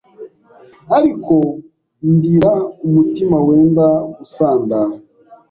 ariko ndira umutima wenda gusandara.